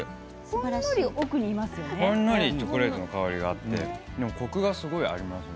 ほんのりチョコの香りがあってコクが、すごいありますね。